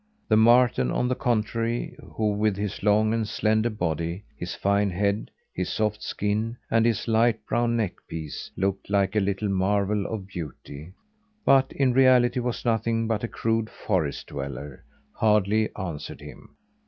The marten, on the contrary, who, with his long and slender body, his fine head, his soft skin, and his light brown neck piece, looked like a little marvel of beauty but in reality was nothing but a crude forest dweller hardly answered him.